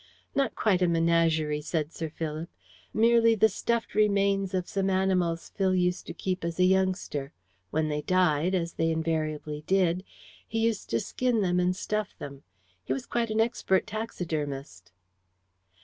"Not quite a menagerie," said Sir Philip. "Merely the stuffed remains of some animals Phil used to keep as a youngster. When they died as they invariably did he used to skin them and stuff them. He was quite an expert taxidermist."